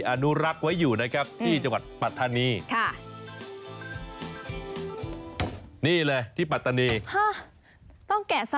ต้องแกะสลักอย่างนี้เลยเหรอคะ